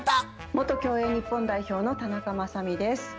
元競泳日本代表の田中雅美です。